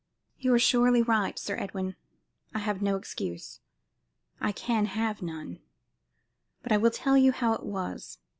"You are surely right, Sir Edwin. I have no excuse. I can have none; but I will tell you how it was.